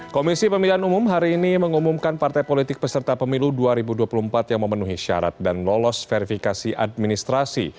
komisi pemilihan umum hari ini mengumumkan partai politik peserta pemilu dua ribu dua puluh empat yang memenuhi syarat dan lolos verifikasi administrasi